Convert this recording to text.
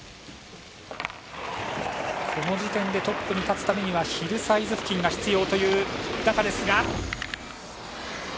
この時点でトップに立つためにはヒルサイズ付近が必要という中ですが。